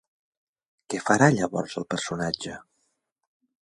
Què farà llavors el personatge?